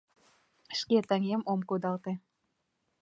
Шке таҥем ом кудалте.